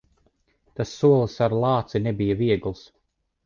Tas solis ar lāci nebija viegls.